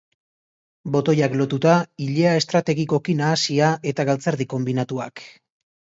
Botoiak lotuta, ilea estrategikoki nahasia eta galtzerdi konbinatuak.